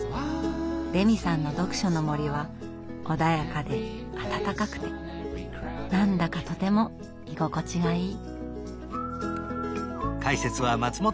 レミさんの読書の森は穏やかで温かくて何だかとても居心地がいい。